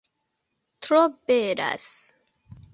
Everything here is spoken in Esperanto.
Tro belas